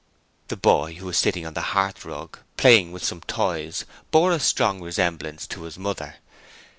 The boy, who was sitting on the hearthrug playing with some toys, bore a strong resemblance to his mother.